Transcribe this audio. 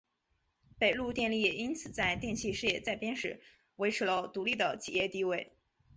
北陆电力也因此在电气事业再编时维持了独立的企业地位。